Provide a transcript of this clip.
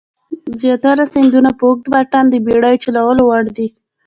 زیاتره سیندونه په اوږده واټن د بېړیو چلولو وړ دي.